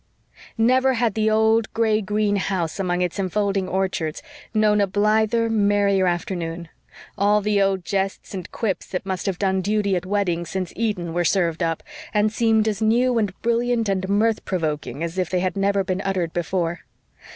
Never had the old gray green house among its enfolding orchards known a blither, merrier afternoon. All the old jests and quips that must have done duty at weddings since Eden were served up, and seemed as new and brilliant and mirth provoking as if they had never been uttered before.